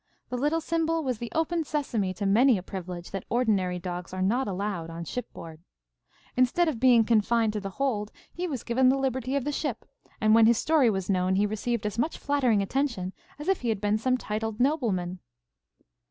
The little symbol was the open sesame to many a privilege that ordinary dogs are not allowed on shipboard. Instead of being confined to the hold, he was given the liberty of the ship, and when his story was known he received as much flattering attention as if he had been some titled nobleman.